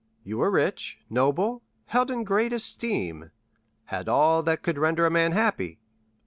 You were rich, noble, held in great esteem—had all that could render a man happy?"